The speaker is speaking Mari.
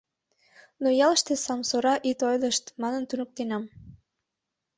Но ялыште сомсора ит ойлышт манын туныктенам.